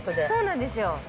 そうなんですよ。